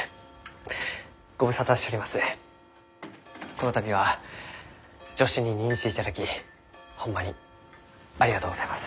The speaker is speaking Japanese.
この度は助手に任じていただきホンマにありがとうございます。